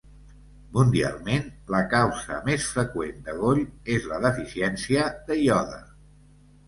Mundialment, la causa més freqüent de goll és la deficiència de iode.